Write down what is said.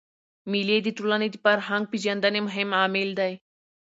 مېلې د ټولني د فرهنګ پېژندني مهم عامل دئ.